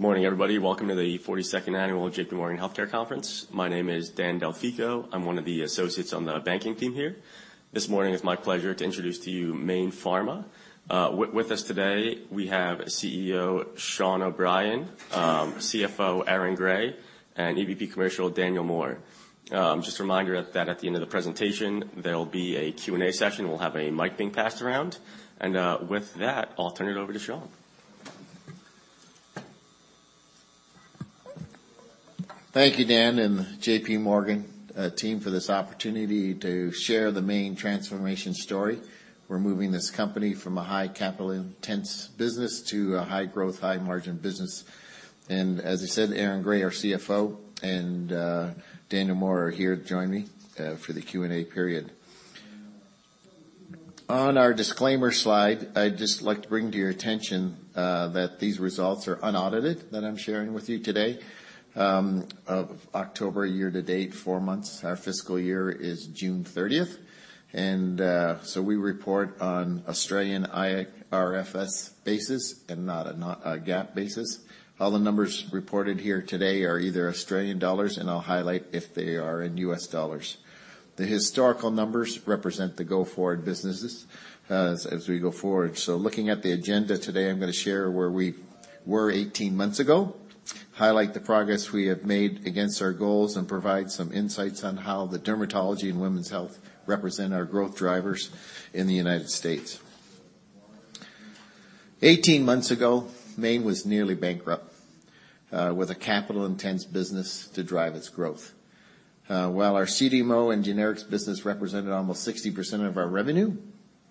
Good morning, everybody. Welcome to the 42nd Annual JPMorgan Healthcare Conference. My name is Dan Delfico. I'm one of the Associates on the banking team here. This morning, it's my pleasure to introduce to you Mayne Pharma. With us today, we have CEO, Shawn O'Brien, CFO, Aaron Gray, and EVP Commercial, Daniel Moore. Just a reminder that at the end of the presentation, there'll be a Q&A session. We'll have a mic being passed around, and with that, I'll turn it over to Shawn. Thank you, Dan and JPMorgan team, for this opportunity to share the Mayne transformation story. We're moving this company from a high capital-intense business to a high-growth, high-margin business. As I said, Aaron Gray, our CFO, and Daniel Moore, are here to join me for the Q&A period. On our disclaimer slide, I'd just like to bring to your attention that these results are unaudited, that I'm sharing with you today, of October year-to-date, 4 months. Our fiscal year is June 30th, and so we report on Australian IFRS basis and not a GAAP basis. All the numbers reported here today are either Australian dollars, and I'll highlight if they are in U.S. dollars. The historical numbers represent the go-forward businesses, as we go forward. Looking at the agenda today, I'm gonna share where we were 18 months ago, highlight the progress we have made against our goals, and provide some insights on how the dermatology and women's health represent our growth drivers in the United States. 18 months ago, Mayne was nearly bankrupt, with a capital-intense business to drive its growth. While our CDMO and generics business represented almost 60% of our revenue,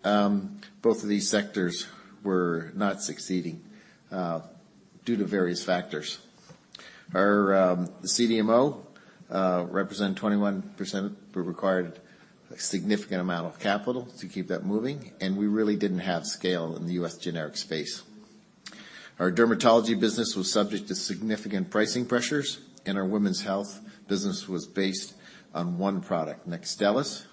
both of these sectors were not succeeding, due to various factors. Our CDMO represented 21%. We required a significant amount of capital to keep that moving, and we really didn't have scale in the U.S. generic space. Our dermatology business was subject to significant pricing pressures, and our women's health business was based on one product, NEXTSTELLIS,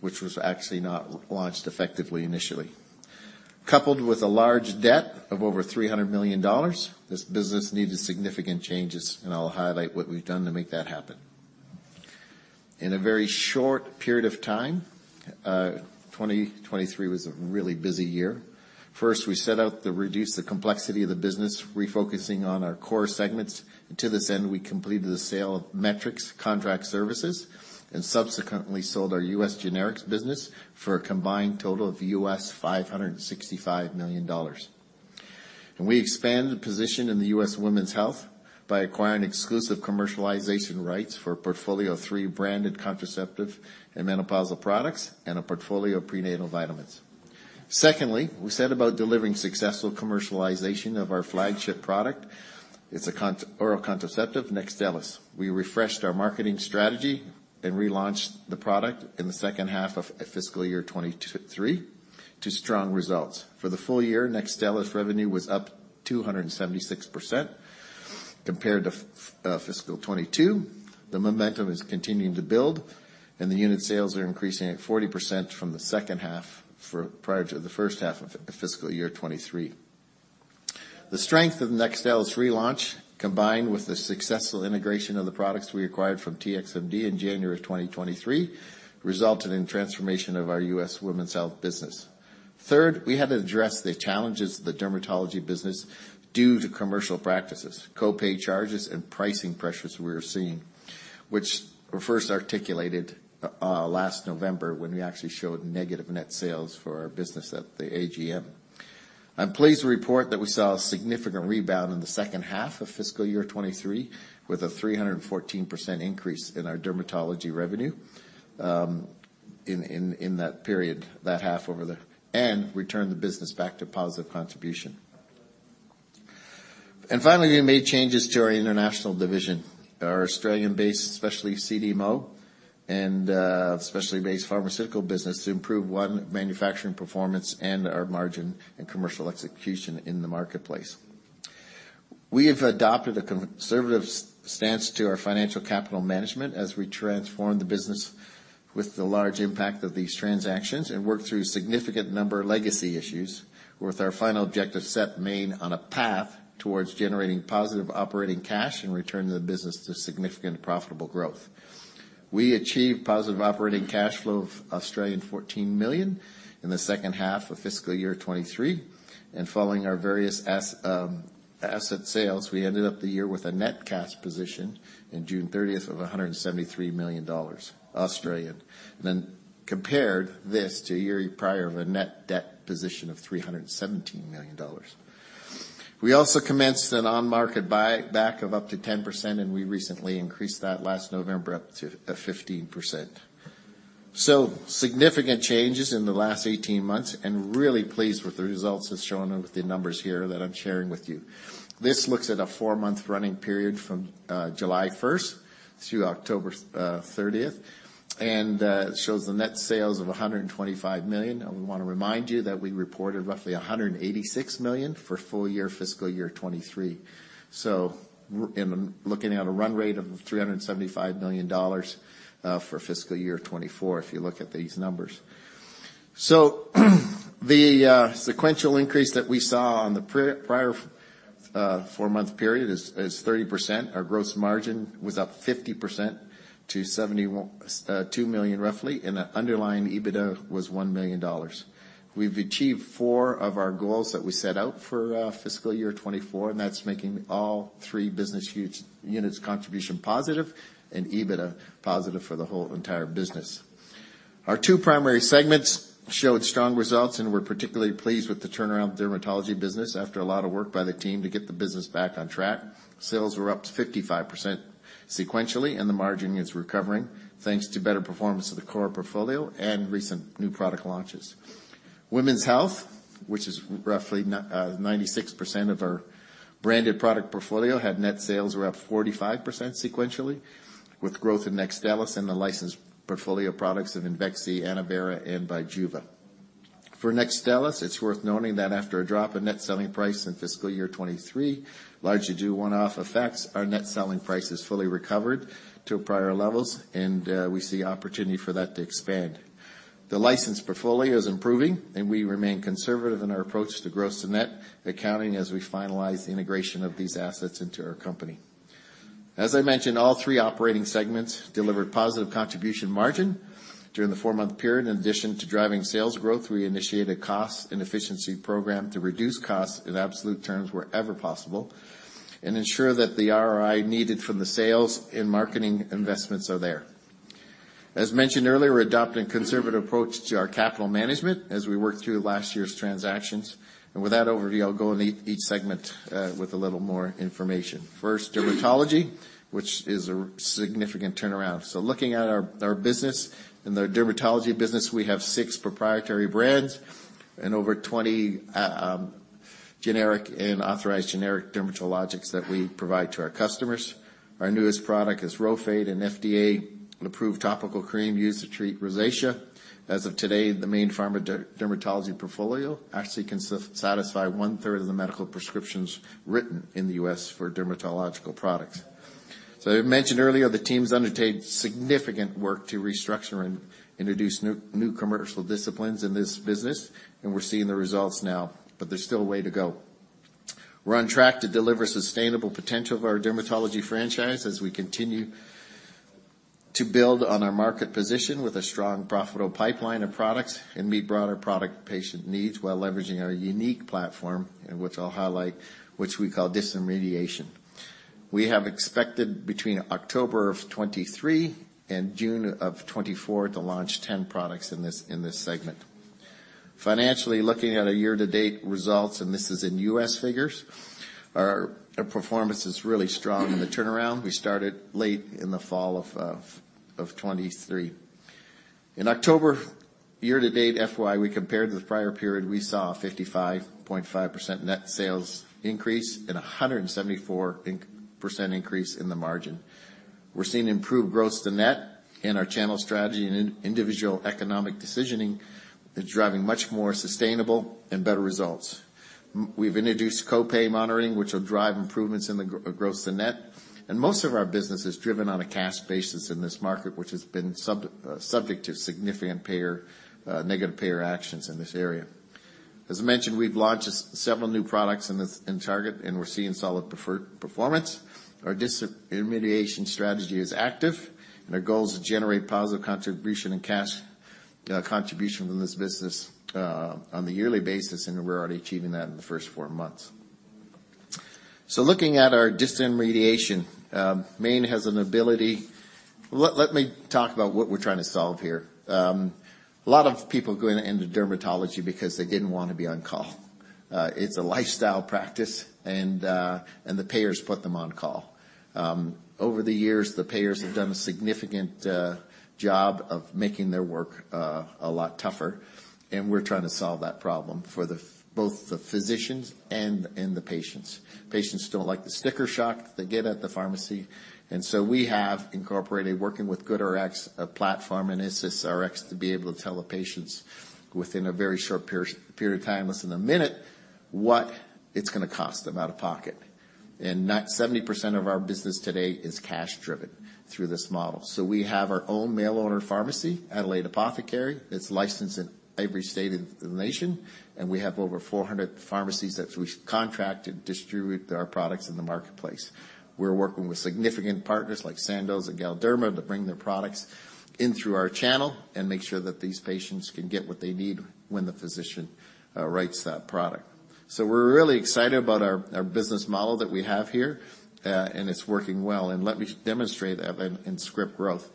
which was actually not launched effectively initially. Coupled with a large debt of over $300 million, this business needed significant changes, and I'll highlight what we've done to make that happen. In a very short period of time, 2023 was a really busy year. First, we set out to reduce the complexity of the business, refocusing on our core segments. To this end, we completed the sale of Metrics Contract Services and subsequently sold our U.S. generics business for a combined total of $565 million. We expanded the position in the U.S. women's health by acquiring exclusive commercialization rights for a portfolio of three branded contraceptive and menopausal products and a portfolio of prenatal vitamins. Secondly, we set about delivering successful commercialization of our flagship product. It's an oral contraceptive, NEXTSTELLIS. We refreshed our marketing strategy and relaunched the product in the second half of fiscal year 2023 to strong results. For the full year, NEXTSTELLIS revenue was up 276% compared to fiscal 2022. The momentum is continuing to build, and the unit sales are increasing at 40% from the second half prior to the first half of fiscal year 2023. The strength of the NEXTSTELLIS relaunch, combined with the successful integration of the products we acquired from TXMD in January of 2023, resulted in transformation of our U.S. women's health business. Third, we had to address the challenges of the dermatology business due to commercial practices, co-pay charges, and pricing pressures we were seeing, which were first articulated last November, when we actually showed negative net sales for our business at the AGM. I'm pleased to report that we saw a significant rebound in the second half of fiscal year 2023, with a 314% increase in our dermatology revenue in that period, that half and returned the business back to positive contribution. And finally, we made changes to our international division, our Australian-based, specialty CDMO and specialty-based pharmaceutical business, to improve manufacturing performance and our margin and commercial execution in the marketplace. We have adopted a conservative stance to our financial capital management as we transform the business with the large impact of these transactions and work through a significant number of legacy issues, with our final objective set Mayne on a path towards generating positive operating cash and returning the business to significant profitable growth. We achieved positive operating cash flow of 14 million in the second half of fiscal year 2023, and following our various asset sales, we ended up the year with a net cash position in June 30th of 173 million dollars. Then compared this to a year prior of a net debt position of 317 million dollars. We also commenced an on-market buyback of up to 10%, and we recently increased that last November up to 15%. So significant changes in the last 18 months, and really pleased with the results as shown with the numbers here that I'm sharing with you. This looks at a four month running period from July 1st through October 30th, and it shows the net sales of 125 million. And we want to remind you that we reported roughly $186 million for full year, fiscal year 2023. So, looking at a run rate of $375 million for fiscal year 2024, if you look at these numbers. So the sequential increase that we saw on the prior four-month period is 30%. Our gross margin was up 50% to $72 million, roughly, and the underlying EBITDA was $1 million. We've achieved four of our goals that we set out for fiscal year 2024, and that's making all three business units contribution positive and EBITDA positive for the whole entire business. Our two primary segments showed strong results, and we're particularly pleased with the turnaround dermatology business after a lot of work by the team to get the business back on track. Sales were up 55% sequentially, and the margin is recovering, thanks to better performance of the core portfolio and recent new product launches. Women's Health, which is roughly 96% of our branded product portfolio, had net sales up 45% sequentially, with growth in NEXTSTELLIS and the licensed portfolio of products in IMVEXXY, ANNOVERA, and BIJUVA. For NEXTSTELLIS, it's worth noting that after a drop in net selling price in fiscal year 2023, largely due to one-off effects, our net selling price is fully recovered to prior levels, and we see opportunity for that to expand. The licensed portfolio is improving, and we remain conservative in our approach to gross to net accounting as we finalize the integration of these assets into our company. As I mentioned, all three operating segments delivered positive contribution margin during the four-month period. In addition to driving sales growth, we initiated a cost and efficiency program to reduce costs in absolute terms wherever possible and ensure that the ROI needed from the sales and marketing investments are there. As mentioned earlier, we're adopting a conservative approach to our capital management as we work through last year's transactions. With that overview, I'll go in each segment with a little more information. First, dermatology, which is a significant turnaround. So looking at our business, in the dermatology business, we have six proprietary brands and over 20 generic and authorized generic dermatologics that we provide to our customers. Our newest product is RHOFADE, an FDA-approved topical cream used to treat rosacea. As of today, the Mayne Pharma dermatology portfolio actually can satisfy one-third of the medical prescriptions written in the U.S. for dermatological products. So I mentioned earlier, the teams undertake significant work to restructure and introduce new commercial disciplines in this business, and we're seeing the results now, but there's still a way to go. We're on track to deliver sustainable potential of our dermatology franchise as we continue to build on our market position with a strong, profitable pipeline of products and meet broader product patient needs while leveraging our unique platform, and which I'll highlight, which we call disintermediation. We have expected between October 2023 and June 2024 to launch 10 products in this segment. Financially, looking at a year-to-date results, and this is in U.S. figures, our performance is really strong in the turnaround. We started late in the fall of 2023. In October year to date FY, compared to the prior period, we saw a 55.5% net sales increase and a 174% increase in the margin. We're seeing improved gross to net in our channel strategy and individual economic decisioning is driving much more sustainable and better results. We've introduced co-pay monitoring, which will drive improvements in the gross to net, and most of our business is driven on a cash basis in this market, which has been subject to significant payer negative payer actions in this area. As I mentioned, we've launched several new products in this in target, and we're seeing solid performance. Our disintermediation strategy is active, and our goal is to generate positive contribution and cash contribution from this business on a yearly basis, and we're already achieving that in the first four months. So looking at our disintermediation, Mayne has an ability. Let me talk about what we're trying to solve here. A lot of people go into dermatology because they didn't want to be on call. It's a lifestyle practice, and the payers put them on call. Over the years, the payers have done a significant job of making their work a lot tougher, and we're trying to solve that problem for both the physicians and the patients. Patients don't like the sticker shock they get at the pharmacy, and so we have incorporated working with GoodRx, a platform, and AssistRx, to be able to tell the patients within a very short period of time, less than a minute, what it's gonna cost them out of pocket. And 70% of our business today is cash-driven through this model. So we have our own mail order pharmacy, Adelaide Apothecary. It's licensed in every state in the nation, and we have over 400 pharmacies that we've contracted to distribute our products in the marketplace. We're working with significant partners like Sandoz and Galderma to bring their products in through our channel and make sure that these patients can get what they need when the physician writes that product. So we're really excited about our, our business model that we have here, and it's working well. And let me demonstrate that in script growth.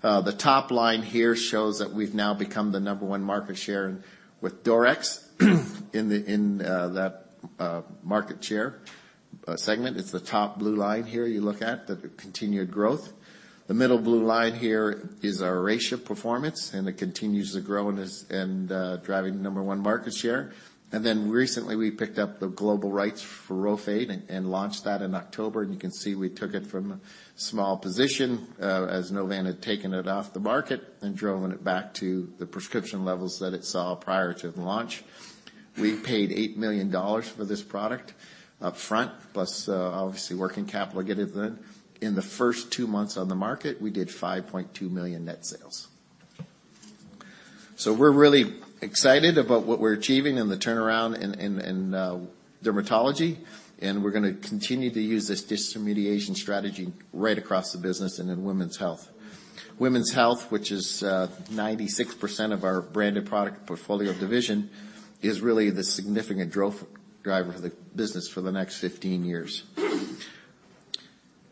The top line here shows that we've now become the number one market share with DORYX, in that market share segment. It's the top blue line here you look at, the continued growth. The middle blue line here is our Asia performance, and it continues to grow and driving the number one market share. And then recently, we picked up the global rights for RHOFADE and launched that in October. And you can see we took it from a small position, as Novan had taken it off the market and driven it back to the prescription levels that it saw prior to the launch. We paid $8 million for this product upfront, plus, obviously, working capital getting in. In the first 2 months on the market, we did $5.2 million net sales. So we're really excited about what we're achieving and the turnaround in dermatology, and we're gonna continue to use this disintermediation strategy right across the business and in women's health. Women's health, which is 96% of our branded product portfolio division, is really the significant growth driver for the business for the next 15 years.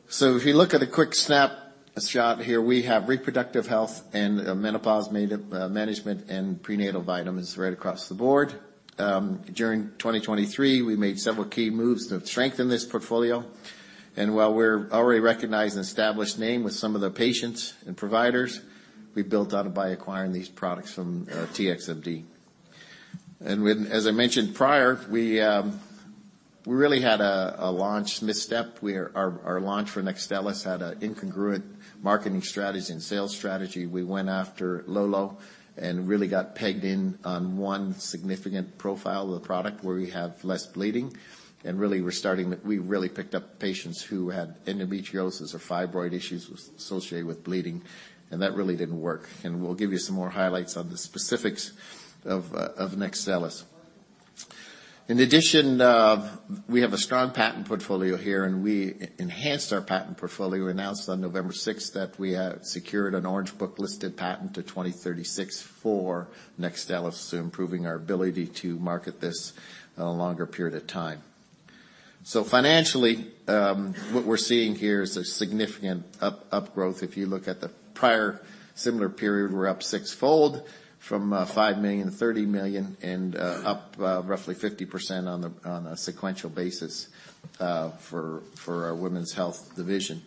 So if you look at a quick snapshot here, we have reproductive health and menopause management and prenatal vitamins right across the Board. During 2023, we made several key moves to strengthen this portfolio. While we're already recognized and established name with some of the patients and providers, we built on it by acquiring these products from TXMD. When, as I mentioned prior, we really had a launch misstep, where our launch for NEXTSTELLIS had a incongruent marketing strategy and sales strategy. We went after Lo Lo and really got pegged in on one significant profile of the product, where we have less bleeding. We really picked up patients who had endometriosis or fibroid issues associated with bleeding, and that really didn't work. We'll give you some more highlights on the specifics of NEXTSTELLIS. In addition, we have a strong patent portfolio here, and we enhanced our patent portfolio. Announced on November 6th that we secured an Orange Book-listed patent to 2036 for NEXTSTELLIS, so improving our ability to market this a longer period of time. So financially, what we're seeing here is a significant upgrowth. If you look at the prior similar period, we're up sixfold from $5 million to $30 million and up roughly 50% on a sequential basis for our women's health division.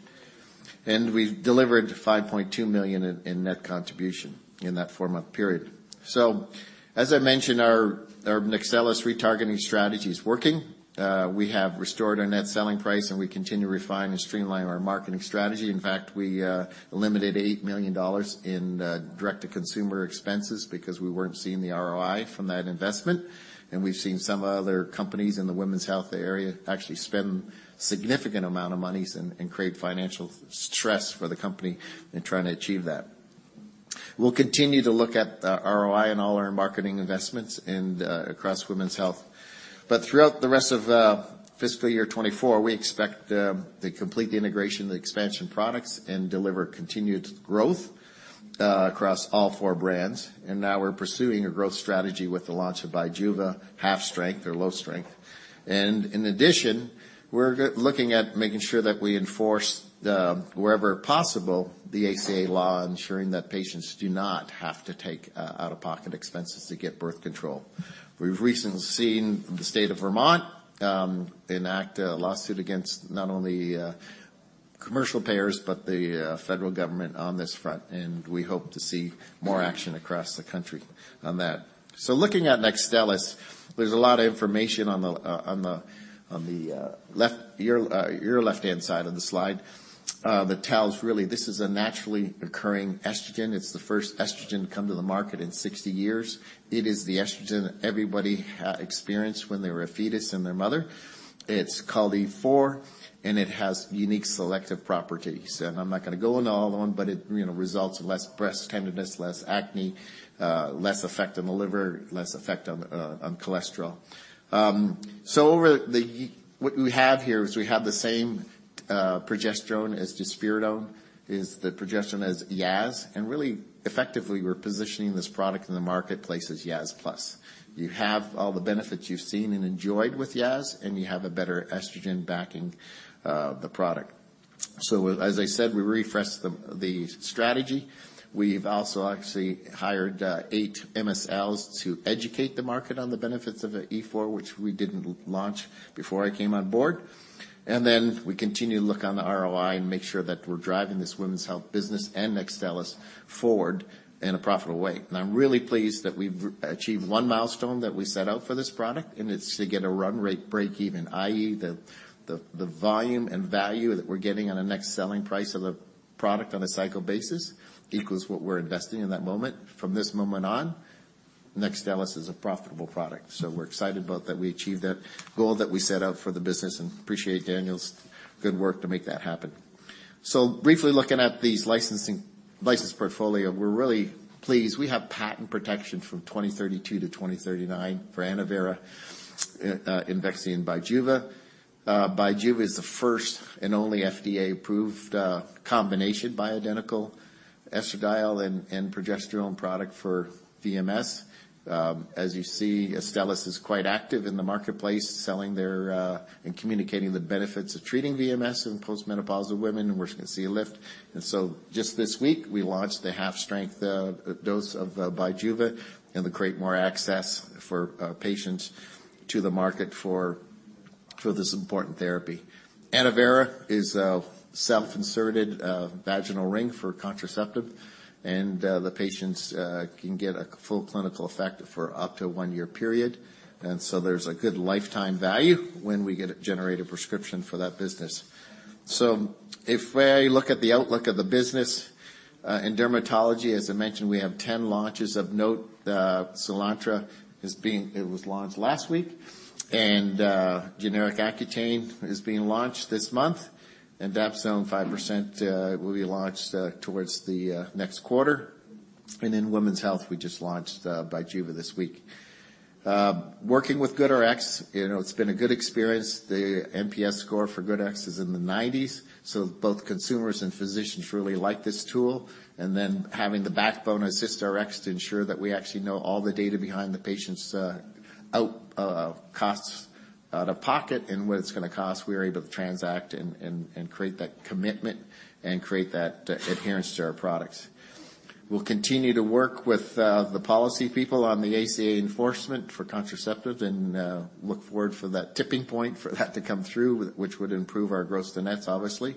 And we've delivered $5.2 million in net contribution in that four-month period. So as I mentioned, our NEXTSTELLIS retargeting strategy is working. We have restored our net selling price, and we continue to refine and streamline our marketing strategy. In fact, we limited $8 million in direct-to-consumer expenses because we weren't seeing the ROI from that investment. We've seen some other companies in the women's health area actually spend significant amount of monies and create financial stress for the company in trying to achieve that. We'll continue to look at the ROI and all our marketing investments in the across women's health. But throughout the rest of fiscal year 2024, we expect the complete integration of the expansion products and deliver continued growth across all four brands. Now we're pursuing a growth strategy with the launch of BIJUVA, half-strength or low strength. In addition, we're looking at making sure that we enforce the wherever possible the ACA law, ensuring that patients do not have to take out-of-pocket expenses to get birth control. We've recently seen the state of Vermont enact a lawsuit against not only commercial payers but the federal government on this front, and we hope to see more action across the country on that. So looking at NEXTSTELLIS, there's a lot of information on your left-hand side of the slide, that tells really this is a naturally occurring estrogen. It's the first estrogen to come to the market in 60 years. It is the estrogen that everybody experienced when they were a fetus in their mother. It's called E4, and it has unique selective properties. And I'm not gonna go into all of them, but it, you know, results in less breast tenderness, less acne, less effect on the liver, less effect on cholesterol. So what we have here is we have the same progesterone as drospirenone, is the progesterone as Yaz. And really, effectively, we're positioning this product in the marketplace as Yaz Plus. You have all the benefits you've seen and enjoyed with Yaz, and you have a better estrogen backing the product. So as I said, we refreshed the strategy. We've also actually hired 8 MSLs to educate the market on the benefits of the E4, which we didn't launch before I came on board. And then we continue to look on the ROI and make sure that we're driving this women's health business and NEXTSTELLIS forward in a profitable way. I'm really pleased that we've achieved one milestone that we set out for this product, and it's to get a run rate breakeven, i.e., the volume and value that we're getting on the net selling price of the product on a cycle basis equals what we're investing in that moment. From this moment on, NEXTSTELLIS is a profitable product. So we're excited about that we achieved that goal that we set out for the business and appreciate Daniel's good work to make that happen. So briefly looking at these licensed portfolio, we're really pleased. We have patent protection from 2032 to 2039 for ANNOVERA, IMVEXXY, and BIJUVA. BIJUVA is the first and only FDA-approved combination bio-identical estradiol and progesterone product for VMS. As you see, NEXTSTELLIS is quite active in the marketplace, selling their, and communicating the benefits of treating VMS in post-menopausal women, and we're going to see a lift. And so just this week, we launched the half-strength dose of BIJUVA, and to create more access for patients to the market for this important therapy. ANNOVERA is a self-inserted vaginal ring for contraceptive, and the patients can get a full clinical effect for up to a one-year period. And so there's a good lifetime value when we get a generated prescription for that business. So if I look at the outlook of the business, in dermatology, as I mentioned, we have 10 launches of note. SOOLANTRA was launched last week, and generic Accutane is being launched this month, and Dapsone 5%, will be launched towards the next quarter. In women's health, we just launched BIJUVA this week. Working with GoodRx, you know, it's been a good experience. The NPS score for GoodRx is in the 90s, so both consumers and physicians really like this tool. And then having the backbone AssistRx to ensure that we actually know all the data behind the patient's out-of-pocket costs and what it's gonna cost, we are able to transact and create that commitment and create that adherence to our products. We'll continue to work with the policy people on the ACA enforcement for contraceptives, and look forward for that tipping point for that to come through, which would improve our gross to net, obviously.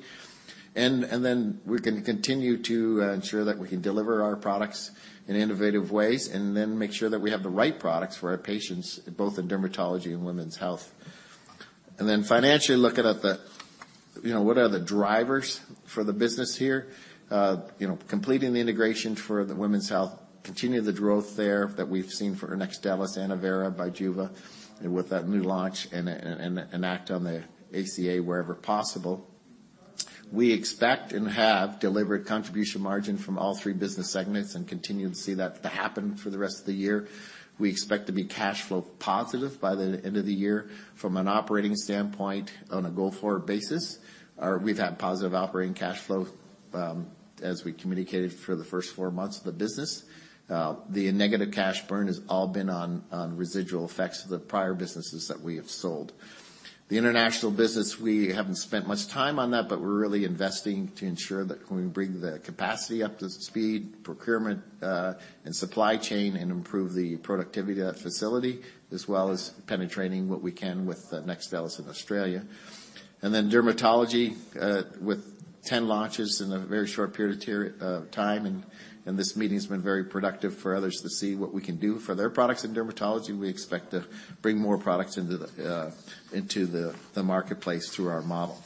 And then we can continue to ensure that we can deliver our products in innovative ways, and then make sure that we have the right products for our patients, both in dermatology and women's health. And then financially, looking at the, you know, what are the drivers for the business here? You know, completing the integration for the women's health, continue the growth there that we've seen for NEXTSTELLIS, ANNOVERA, BIJUVA, and with that new launch and act on the ACA wherever possible. We expect and have delivered contribution margin from all three business segments and continue to see that happen for the rest of the year. We expect to be cash flow positive by the end of the year. From an operating standpoint, on a go-forward basis, we've had positive operating cash flow, as we communicated for the first four months of the business. The negative cash burn has all been on residual effects of the prior businesses that we have sold. The international business, we haven't spent much time on that, but we're really investing to ensure that when we bring the capacity up to speed, procurement, and supply chain, and improve the productivity of that facility, as well as penetrating what we can with NEXTSTELLIS in Australia. And then dermatology, with 10 launches in a very short period of time, and this meeting has been very productive for others to see what we can do for their products. In dermatology, we expect to bring more products into the marketplace through our model.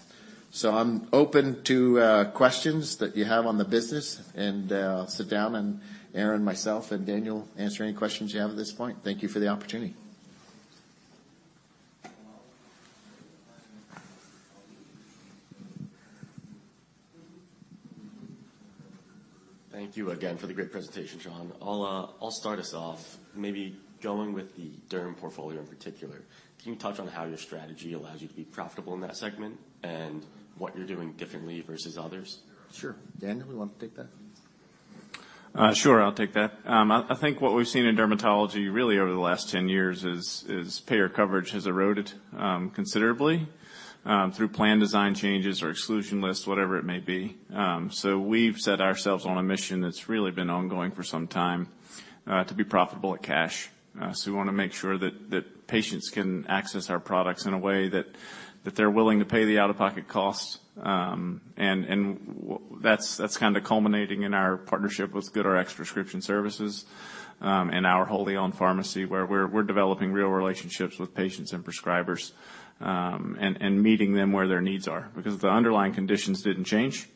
So I'm open to questions that you have on the business, and I'll sit down and Aaron, myself, and Daniel answer any questions you have at this point. Thank you for the opportunity. Thank you again for the great presentation, Shawn. I'll start us off. Maybe going with the derm portfolio in particular, can you touch on how your strategy allows you to be profitable in that segment and what you're doing differently versus others? Sure. Daniel, you want to take that? Sure, I'll take that. I think what we've seen in dermatology, really over the last 10 years, is payer coverage has eroded considerably through plan design changes or exclusion lists, whatever it may be. So we've set ourselves on a mission that's really been ongoing for some time to be profitable at cash. So we wanna make sure that patients can access our products in a way that they're willing to pay the out-of-pocket costs. And that's kind of culminating in our partnership with GoodRx Prescription Services and our wholly owned pharmacy, where we're developing real relationships with patients and prescribers and meeting them where their needs are. Because the underlying conditions didn't change,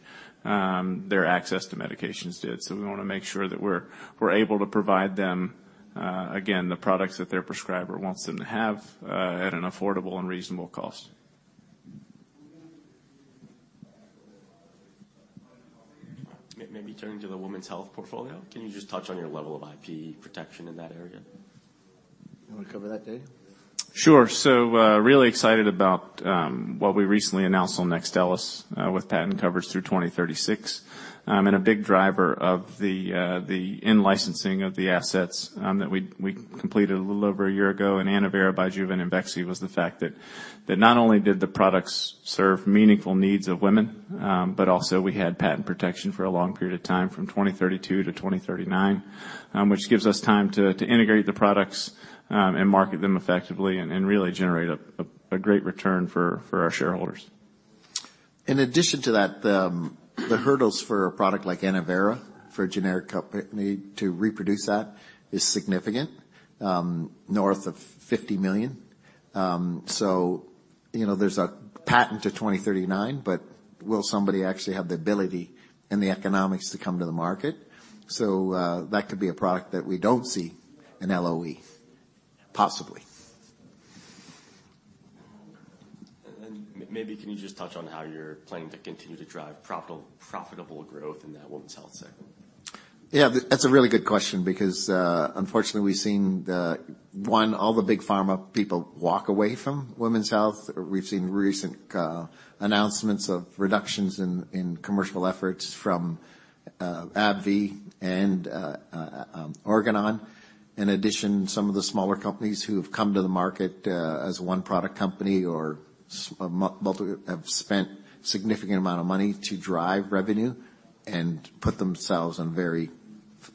their access to medications did. So we wanna make sure that we're able to provide them, again, the products that their prescriber wants them to have, at an affordable and reasonable cost. Maybe turning to the women's health portfolio, can you just touch on your level of IP protection in that area? You wanna cover that, Daniel? Sure. So, really excited about what we recently announced on NEXTSTELLIS with patent coverage through 2036. And a big driver of the in-licensing of the assets that we completed a little over a year ago, and ANNOVERA, BIJUVA, and IMVEXXY, was the fact that not only did the products serve meaningful needs of women, but also we had patent protection for a long period of time, from 2032 to 2039. Which gives us time to integrate the products and market them effectively and really generate a great return for our shareholders. In addition to that, the hurdles for a product like ANNOVERA, for a generic company to reproduce that, is significant, north of $50 million. So you know, there's a patent to 2039, but will somebody actually have the ability and the economics to come to the market? So, that could be a product that we don't see an LOE, possibly. And then maybe can you just touch on how you're planning to continue to drive profitable growth in that women's health segment? Yeah, that's a really good question because, unfortunately, we've seen the one, all the big pharma people walk away from women's health. We've seen recent announcements of reductions in commercial efforts from AbbVie and Organon. In addition, some of the smaller companies who have come to the market as a one-product company or have spent significant amount of money to drive revenue and put themselves in very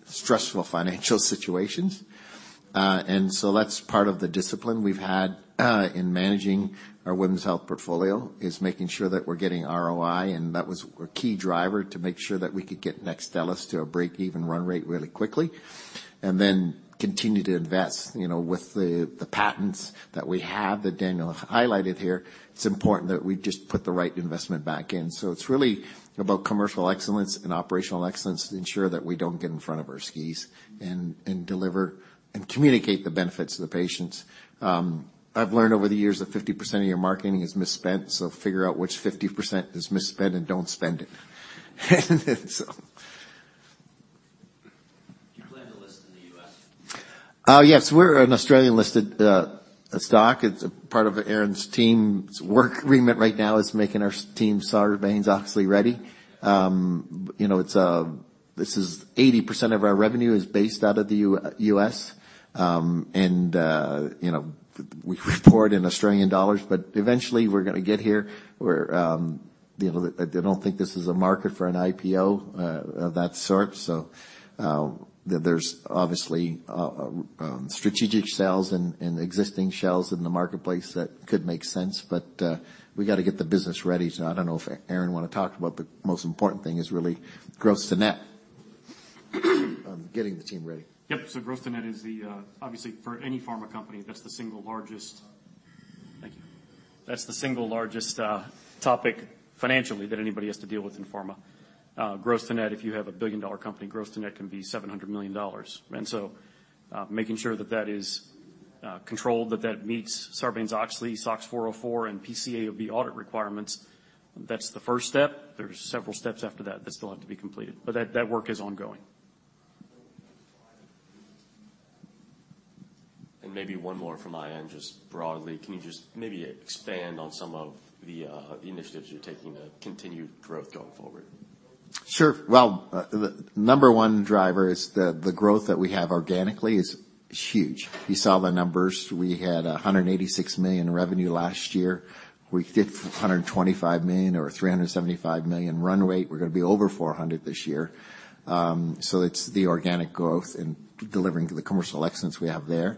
stressful financial situations. And so that's part of the discipline we've had in managing our women's health portfolio, is making sure that we're getting ROI, and that was a key driver to make sure that we could get NEXTSTELLIS to a break-even run rate really quickly, and then continue to invest, you know, with the patents that we have, that Daniel highlighted here. It's important that we just put the right investment back in. So it's really about commercial excellence and operational excellence to ensure that we don't get in front of our skis and deliver and communicate the benefits to the patients. I've learned over the years that 50% of your marketing is misspent, so figure out which 50% is misspent and don't spend it. Do you plan to list in the U.S.? Yes, we're an Australian-listed stock. It's a part of Aaron's team's work agreement right now, is making our team Sarbanes-Oxley ready. You know, this is 80% of our revenue is based out of the U.S. And you know, we report in Australian dollars, but eventually we're gonna get here, where you know, I don't think this is a market for an IPO of that sort. So, there's obviously strategic sales and existing shells in the marketplace that could make sense, but we got to get the business ready. So I don't know if Aaron want to talk about, the most important thing is really gross to net getting the team ready. Yep. So gross to net is the, obviously, for any pharma company, that's the single largest. Thank you. That's the single largest, topic financially, that anybody has to deal with in pharma. Gross to net, if you have a billion-dollar company, gross to net can be $700 million. And so, making sure that that is, controlled, that that meets Sarbanes-Oxley, SOX 404 and PCAOB audit requirements, that's the first step. There's several steps after that that still have to be completed, but that, that work is ongoing. Maybe one more from my end, just broadly, can you just maybe expand on some of the initiatives you're taking to continued growth going forward? Sure. Well, the number one driver is the growth that we have organically is huge. You saw the numbers. We had $186 million in revenue last year. We did $125 million or $375 million run rate. We're gonna be over $400 million this year. So it's the organic growth and delivering to the commercial excellence we have there.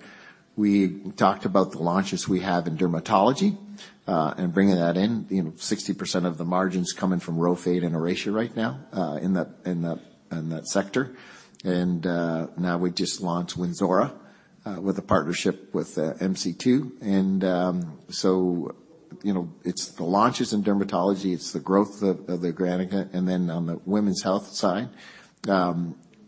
We talked about the launches we have in dermatology and bringing that in. You know, 60% of the margins coming from RHOFADE and ORACEA right now in that sector. And now we just launched WYNZORA with a partnership with MC2. And so, you know, it's the launches in dermatology, it's the growth of the generics. And then on the women's health side,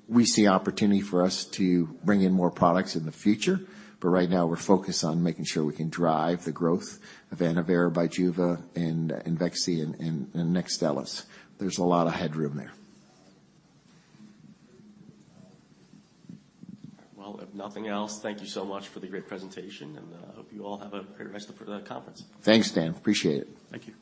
we see opportunity for us to bring in more products in the future, but right now we're focused on making sure we can drive the growth of ANNOVERA, BIJUVA, IMVEXXY, and NEXTSTELLIS. There's a lot of headroom there. Well, if nothing else, thank you so much for the great presentation, and I hope you all have a great rest of the conference. Thanks, Dan. Appreciate it. Thank you.